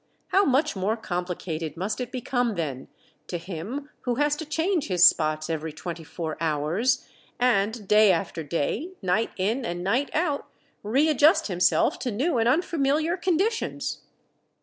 How much more complicated must it become, then, to him who has to change his spots every twenty four hours, and day after day, night in and night out, readjust himself to new and unfamiliar conditions!